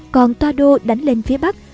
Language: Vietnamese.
còn toa đô đánh lên phía bắc